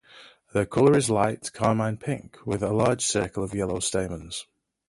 Their colour is light to carmine-pink with a large circle of yellow stamens.